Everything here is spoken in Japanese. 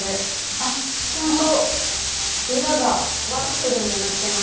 あっちゃんと裏がワッフルになってます。